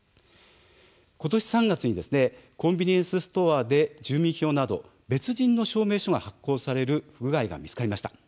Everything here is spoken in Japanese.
今年３月にコンビニエンスストアで住民票など別人の証明書が発行される不具合が見つかりました。